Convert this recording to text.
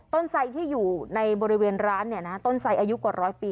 ต้นไซน์ที่อยู่ในบริเวณร้านเนี้ยนะต้นไซน์อายุกว่าร้อยปี